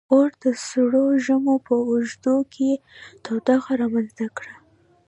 • اور د سړو ژمو په اوږدو کې تودوخه رامنځته کړه.